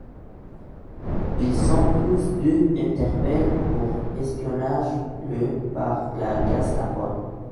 Ils sont tous deux interpellés pour espionnage le par la Gestapo.